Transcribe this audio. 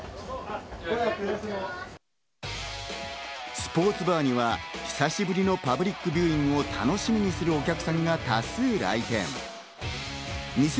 スポーツバーには、久しぶりのパブリックビューイングを楽しみにするお客さんが多数来店。